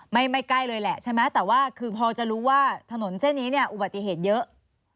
ไม่ใกล้เลยแหละใช่ไหมแต่ว่าคือพอจะรู้ว่าถนนเส้นนี้เนี่ยอุบัติเหตุเยอะ